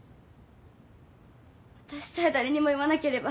私さえ誰にも言わなければ。